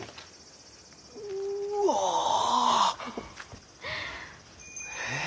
うわ！へえ。